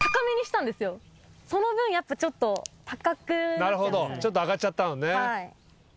なるほどちょっと上がっちゃったのね。